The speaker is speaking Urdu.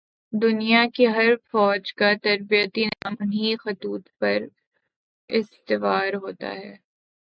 دنیا کی ہر فوج کا تربیتی نظام انہی خطوط پر استوار ہوتا ہے۔